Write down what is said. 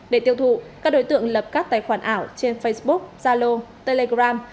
để tiêu thụ các đối tượng lập các tài khoản ảo trên facebook zalo telegram